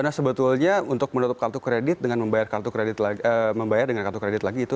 nah sebetulnya untuk menutup kartu kredit dengan membayar dengan kartu kredit lagi itu